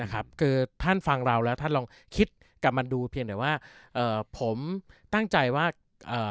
คือท่านฟังเราแล้วท่านลองคิดกลับมาดูเพียงแต่ว่าเอ่อผมตั้งใจว่า